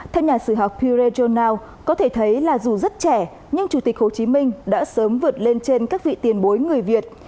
theo nhà sử học pierre johnow có thể thấy là dù rất trẻ nhưng chủ tịch hồ chí minh đã sớm vượt lên trên các vị tiền bối người việt